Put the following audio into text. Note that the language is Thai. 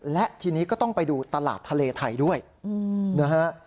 และทีนี้ก็ต้องไปดูตลาดทะเลไทยด้วยนะฮะ